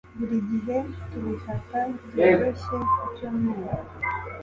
Buri gihe tubifata byoroshye ku cyumweru